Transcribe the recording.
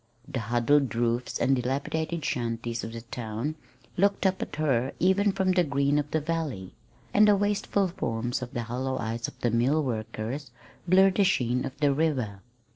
The huddled roofs and dilapidated shanties of the town looked up at her even from the green of the valley; and the wasted forms and hollow eyes of the mill workers blurred the sheen of the river.